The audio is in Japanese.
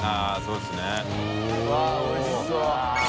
うわっおいしそう。